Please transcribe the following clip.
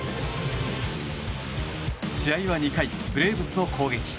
試合は２回、ブレーブスの攻撃。